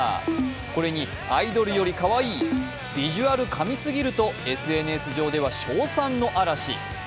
これにアイドルよりかわいい、ビジュアル神すぎるとＳＮＳ上では称賛の嵐。